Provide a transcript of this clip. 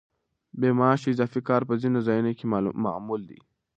بې معاشه اضافي کار په ځینو ځایونو کې معمول دی.